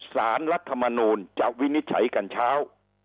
สารรัฐมนูลจะวินิจฉัยกันเช้า